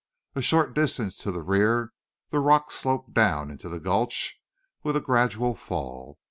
A short distance to the rear the rocks sloped down into the gulch with a gradual fall.